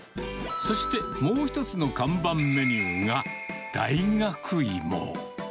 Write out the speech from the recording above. そして、もう１つの看板メニューが、大学いも。